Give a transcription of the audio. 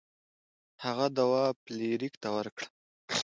هغه دوا فلیریک ته ورکړه.